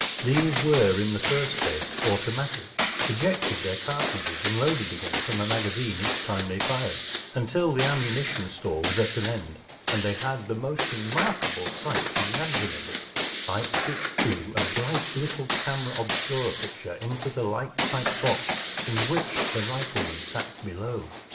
These were in the first place automatic, ejected their cartridges and loaded again from a magazine each time they fired, until the ammuni¬ tion store was at an end, and they had the most remarkable sights imaginable, sights which threw a bright little camera ohscura picture into the light tight box in which the rifle¬ man sat below.